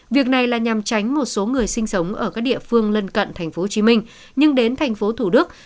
việc này là nhằm tránh một số người sinh sống ở các địa phương lân cận tp hcm nhưng đến tp hcm